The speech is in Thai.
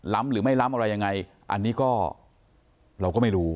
หรือไม่ล้ำอะไรยังไงอันนี้ก็เราก็ไม่รู้